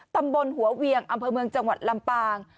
ตำบลหัวเวียงอำเภอเมืองจังหวัดลำปาง